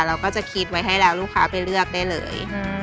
เราก็จะคิดไว้ให้แล้วลูกค้าไปเลือกได้เลย